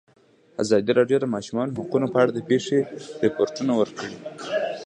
ازادي راډیو د د ماشومانو حقونه په اړه د پېښو رپوټونه ورکړي.